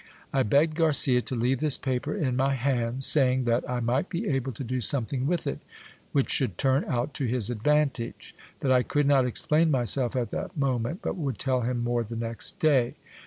I begged Garcia to leave this paper in my hands, saying, that I might be able to do something with it which should turn out to his advantage ; that I could not explain myself at that moment, but would tell him more the next day.